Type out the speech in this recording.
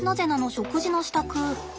食事の支度。